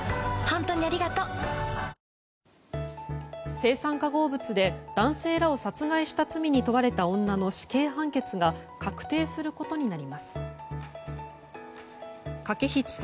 青酸化合物で男性らを殺害した罪に問われた女の死刑判決が確定することになりました。